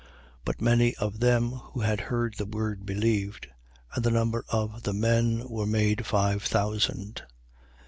4:4. But many of them who had heard the word believed: and the number of the men was made five thousand.